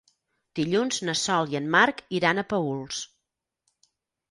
Dilluns na Sol i en Marc iran a Paüls.